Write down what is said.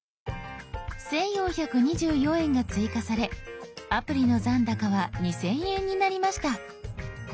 １，４２４円が追加されアプリの残高は２，０００円になりました。